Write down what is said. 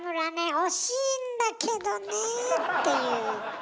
惜しいんだけどねえっていう。